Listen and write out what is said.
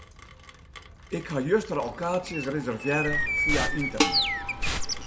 Ik ha juster al kaartsjes reservearre fia ynternet.